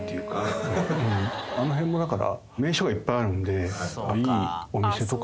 あの辺もだから。